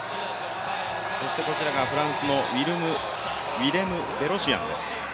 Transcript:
そしてこちらがフランスのウィレム・ベロシアンです。